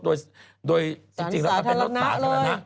โดยจริงเป็นรถสาธารณะ